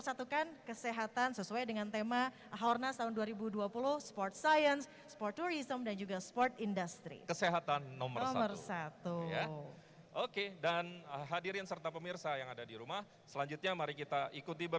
pon ke sembilan diitulah pon ke sembilan